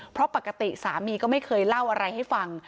เพราะปกติสามีก็ไม่เคยเล่าอะไรให้ฟัง